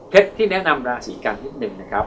ที่แนะนำราศีกันนิดนึงนะครับ